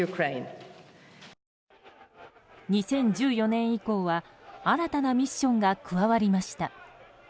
２０１４年以降は新たなミッションが加わりました。